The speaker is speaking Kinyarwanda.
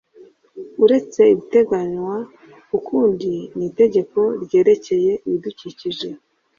uretse ibiteganywa ukundi n itegeko ryerekeye ibidukikije